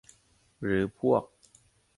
หรือพวก